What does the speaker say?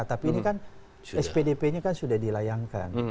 tapi ini kan spdp nya kan sudah dilayangkan